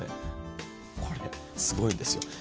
これ、すごいんですよ。